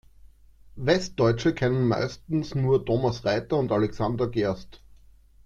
Westdeutsche kennen meistens nur Thomas Reiter und Alexander Gerst.